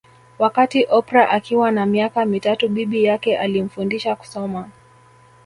Wakati Oprah Akiwa na miaka mitatu bibi yake alimfundisha kusoma